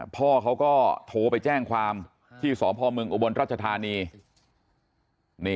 พ่อเขาก็โทรไปแจ้งความที่สพเมืองอุบลรัชธานี